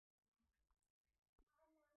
Kwa hiyo, nitawapa jaribio jazilizi.